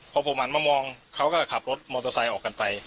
พอผมหันมามองเขาก็ขับรถมอเตอร์ไซค์ออกกันไป